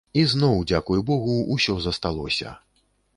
І зноў, дзякуй богу, усё засталося.